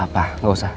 gapapa gak usah